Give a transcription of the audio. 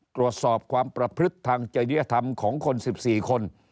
ตวชอบความประพฤตทางเจริญภรรยธรรมของคน๑๔คน